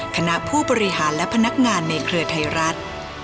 คณะผู้บริหารและพนักงานในเครือไทยรัฐ